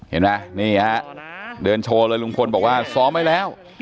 เห็นไหมนี่ฮะเดินโชว์เลยลุงพลบอกว่าซ้อมไว้แล้ว